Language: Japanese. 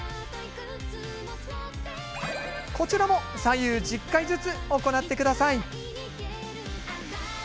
こちらも左右１０回ずつ行ってください。